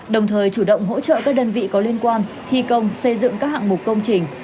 đồng thời chủ động hỗ trợ các đơn vị có liên quan thi công xây dựng các hạng mục công trình